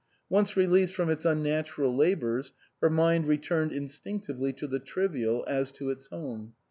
Once released from its unnatural labours, her mind returned instinctively to the trivial as to its home.